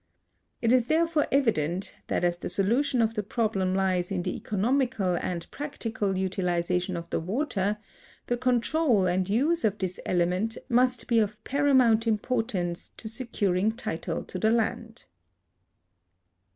It is therefore evident that as the solution of the problem lies in the economical and practical utilization of the water, the control and THE UTILIZATION OF THE VACANT PUBLIC LANDS 53 use of this elenient must be of paramount importance to secur ing title to the hind.